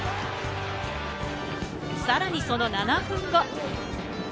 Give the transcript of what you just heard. さらにその７分後。